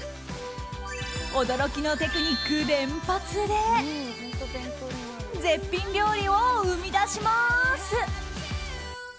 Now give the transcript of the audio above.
驚きのテクニック連発で絶品料理を生み出します！